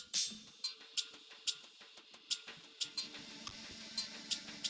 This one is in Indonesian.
di derung dan kembali pilih